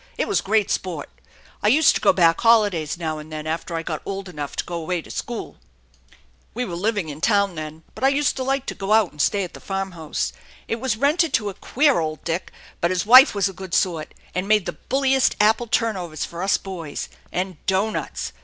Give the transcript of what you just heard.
It was great sport I used to go back holidays now and then after I got old enough Co go away to school. We were living in town then. 48 THE ENCHANTED BARN but I used to like to go out and stay at the farmhouse. It was rented to a queer old dick; but his wife was a good sort, and made the buliiest apple turnovers for us boys and dough nuts!